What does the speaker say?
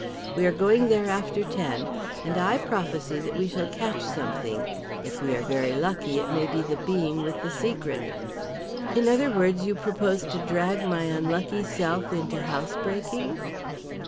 We are going there after ten, and I prophesy that we shall catch something; if we are very lucky it may be the being with the secret." "In other words you propose to drag my unlucky self into house breaking?"